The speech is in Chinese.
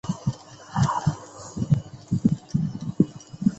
山西丙子乡试。